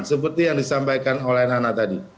seperti yang disampaikan oleh nana tadi